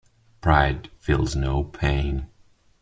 Pride feels no pain.